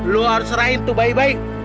lu harus serahin tuh bayi bayi